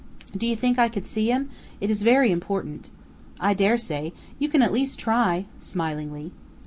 "Do you think I could see him? It is very important." "I dare say. You can at least try," smilingly.